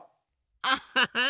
アッハハ！